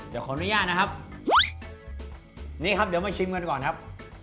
เดี๋ยวขออนุญาตนะครับนี่ครับเดี๋ยวมาชิมกันก่อนครับ